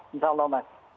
insya allah mas